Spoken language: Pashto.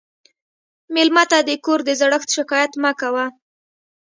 مېلمه ته د کور د زړښت شکایت مه کوه.